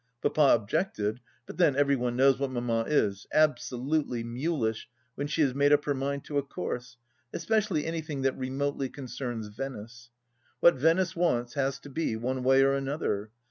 Papa objected ; but then, every one knows what Mamma is : absolutely mulish when she has made up her mind to a course, especially, anything that remotely concerns Venice. What Venice wants has to be, one way or another.